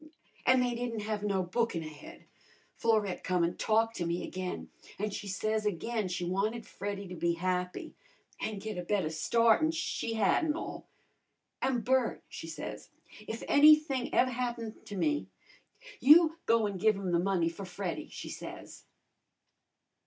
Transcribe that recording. "An' they didn't have no bookin' ahead. Florette come an' talked to me again, an' she says again she wanted Freddy to be happy, an' git a better start'n she'd had an' all. 'An,' Bert,' she says, 'if anything ev' happens to me, you go an' give 'um the money for Freddy,' she says."